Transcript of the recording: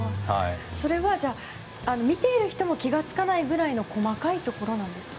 それは見ている人も気が付かないくらいの細かいところなんですか？